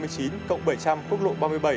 cộng bảy trăm linh quốc lộ ba mươi bảy